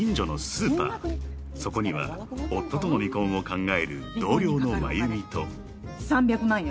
［そこには夫との離婚を考える同僚の真由美と］３００万よ。